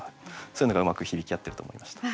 そういうのがうまく響き合ってると思いました。